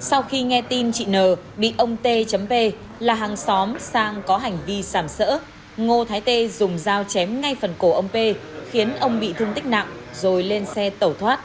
sau khi nghe tin chị n bị ông t p là hàng xóm sang có hành vi sảm sỡ ngô thái tê dùng dao chém ngay phần cổ ông p khiến ông bị thương tích nặng rồi lên xe tẩu thoát